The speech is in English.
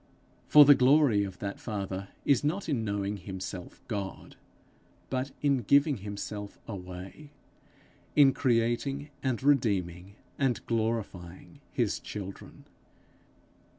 For the glory of that Father is not in knowing himself God, but in giving himself away in creating and redeeming and glorifying his children.